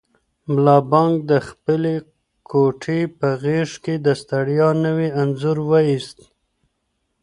ملا بانګ د خپلې کوټې په غېږ کې د ستړیا نوی انځور وایست.